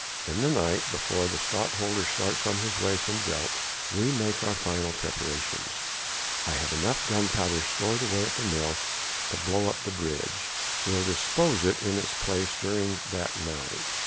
In the night before the Stadtholder starts on his way from Delft we make our final preparations. I have enough gunpowder stowed away at the mill to blow up the bridge. We'll dispose it in its place during that night.